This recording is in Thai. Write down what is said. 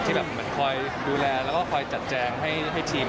ที่มันคอยดูแลแล้วก็คอยจัดแจ้งให้ทีม